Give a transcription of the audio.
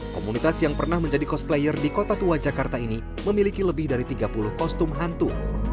komunitas yang pernah menjadi cosplayer di kota tua jakarta ini memiliki lebih dari tiga puluh kostum hantu